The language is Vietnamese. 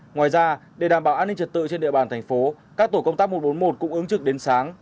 ngoài ra để đảm bảo an ninh trật tự trên địa bàn thành phố các tổ công tác một trăm bốn mươi một cũng ứng trực đến sáng